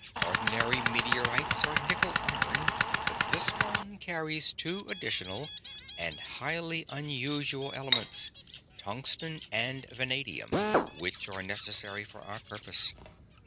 Ordinary meteorites are nickel iron, but this one carries two additional and highly unusual elements, tungsten and vanadium, which are necessary for our purpose.